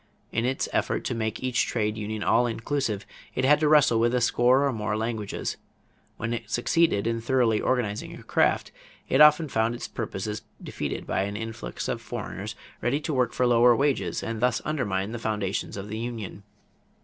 In its effort to make each trade union all inclusive, it had to wrestle with a score or more languages. When it succeeded in thoroughly organizing a craft, it often found its purposes defeated by an influx of foreigners ready to work for lower wages and thus undermine the foundations of the union.